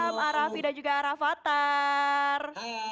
selamat malam raffi dan juga rafathar